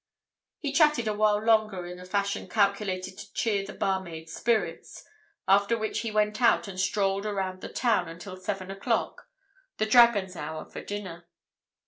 He chatted a while longer in a fashion calculated to cheer the barmaid's spirits, after which he went out and strolled around the town until seven o'clock, the "Dragon's" hour for dinner.